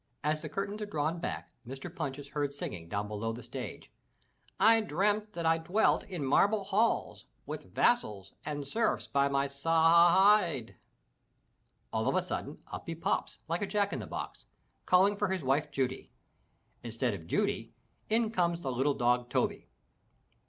As the curtains are drawn back Mr. Punch is heard singing down below the stage, "/ dreamt that I dwelt in marble halls With vassals and serfs by my si hi hide! All of a sudden up he pops like a jack in the box, calling for his wife Judy. Instead of Judy, in comes the little dog Toby.